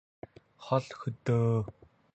хол хөдөө